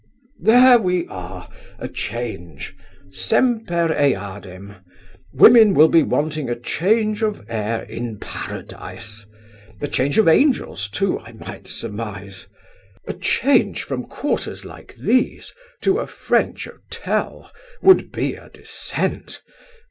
"There we are a change! semper eadem! Women will be wanting a change of air in Paradise; a change of angels too, I might surmise. A change from quarters like these to a French hotel would be a descent!